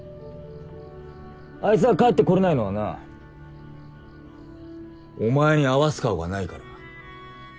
あいつが帰って来れないのはなお前に合わす顔がないから。